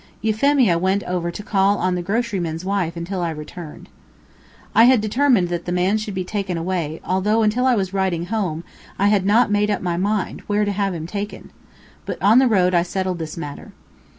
Euphemia went over to call on the groceryman's wife until I returned. I had determined that the man should be taken away, although, until I was riding home, I had not made up my mind where to have him taken. But on the road I settled this matter.